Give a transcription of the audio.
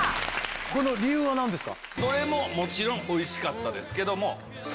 理由は何ですか？